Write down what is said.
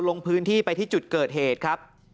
ลงพื้นที่ไปที่จุดเกิดเหตุครับ